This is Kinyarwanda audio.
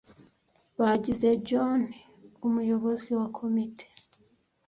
Bagize John umuyobozi wa komite.